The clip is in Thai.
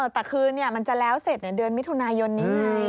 แต่คืนมันจะแล้วเสร็จในเดือนมิถุนายนนี้ไง